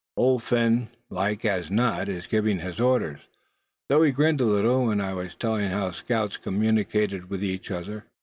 "Old Phin like as not, is giving his orders. Thought he grinned a little when I was telling how scouts communicated with each other.